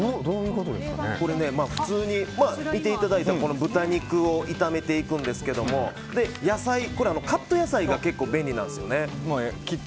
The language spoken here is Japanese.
普通に豚肉を炒めていくんですけど野菜はカット野菜が結構、便利なんですよね。